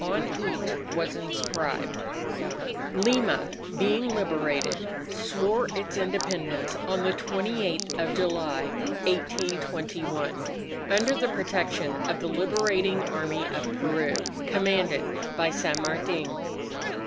On each was inscribed: _Lima, being liberated, swore its Independence on the 28th of July, 1821, under the protection of the Liberating Army of Peru, commanded by San Martin.